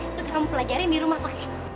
terus kamu pelajarin di rumah oke